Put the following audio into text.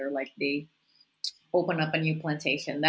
atau mereka membuka sebuah plantasi baru